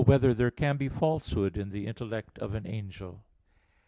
5] Whether There Can Be Falsehood in the Intellect of an Angel?